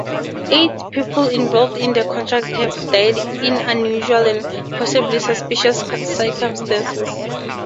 Eight people involved in the contract have died in unusual and possibly suspicious circumstances.